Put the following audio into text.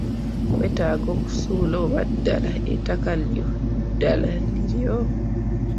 Weetaaga okuzuula oba ddaala ettaka lyo ddaala liryo.